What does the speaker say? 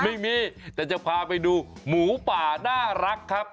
ไม่มีแต่จะพาไปดูหมูป่าน่ารักครับ